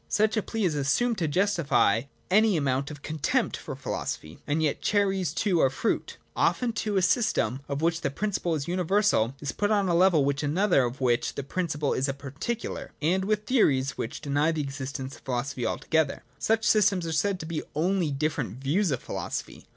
Such a plea is assumed to justify any amount of contempt for philosophy. And yet cherries too are fruit. Often, too, a system, of which the prin ciple is the universal, is put on a level with another of which the principle is a particular, and with theories which deny the existence of philosophy altogether. Such systems are said to be only different views of philosophy.